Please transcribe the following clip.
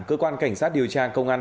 cơ quan cảnh sát điều tra công an